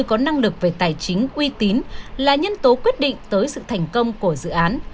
có năng lực về tài chính uy tín là nhân tố quyết định tới sự thành công của dự án